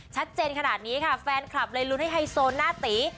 ชัดเจนขนาดนี้ค่ะแฟนคลับเลยลุ้นให้ไฮโซหน้าตี